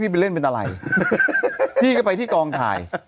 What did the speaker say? ไปเล่นเป็นอะไรพี่ก็ไปที่กองถ่าย